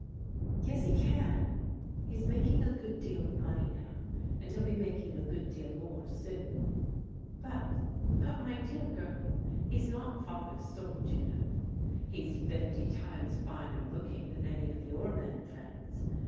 " Yes, he can. He's making a good deal of money now, and hell be making a good deal more soon." "But — but my dear girl, he's not Father's sort, you know." " He's fifty times finer looking than any of your men friends.